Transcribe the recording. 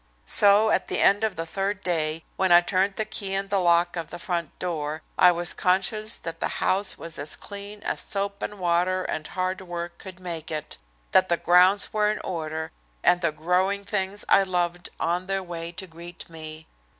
So at the end of the third day, when I turned the key in the lock of the front door, I was conscious that the house was as clean as soap and water and hard work could make it, that the grounds were in order, and the growing things I loved on their way to greet me.